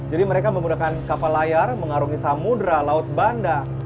jadi mereka menggunakan kapal layar mengarungi samudera laut bandar